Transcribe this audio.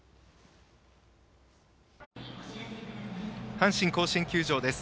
阪神甲子園球場です。